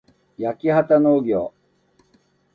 やきはたのうぎょう